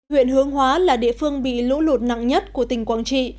huyện hướng hóa là địa phương bị lũ lụt nặng nhất của tỉnh quảng trị